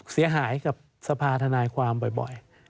เสียหายกับสภาธนายความบ่อย